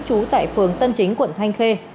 trú tại phường tân chính quận thanh khê